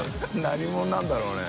何者なんだろうね？